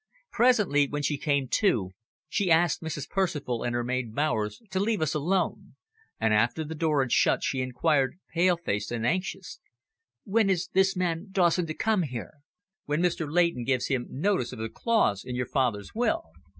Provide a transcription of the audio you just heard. Presently, when she came to, she asked Mrs. Percival and her maid Bowers to leave us alone, and after the door had shut she inquired, pale faced and anxious "When is this man Dawson to come here?" "When Mr. Leighton gives him notice of the clause in your father's will."